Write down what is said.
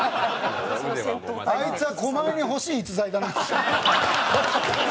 「あいつは狛江に欲しい逸材だな」。